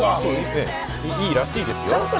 いいらしいですよ。